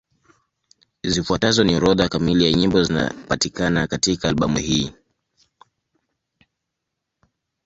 Zifuatazo ni orodha kamili ya nyimbo zinapatikana katika albamu hii.